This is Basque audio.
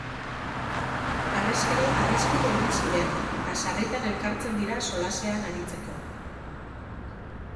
Harrezkero adiskide egin ziren, eta sarritan elkartzen dira solasean aritzeko.